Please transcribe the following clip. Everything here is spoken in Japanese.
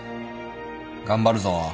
頑張るぞ。